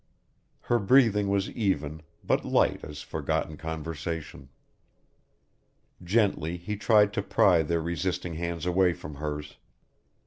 Her breathing was even, but light as forgotten conversation. Gently he tried to pry their resisting hands away from hers.